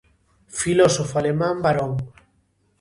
Filósofo alemán, barón.